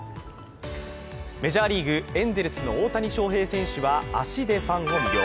メジャーリーグ、エンゼルスの大谷翔平は足でファンを魅了。